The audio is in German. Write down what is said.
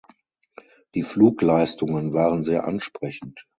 Die Flugleistungen waren sehr ansprechend.